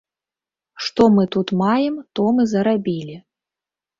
Што мы тут маем, то мы зарабілі.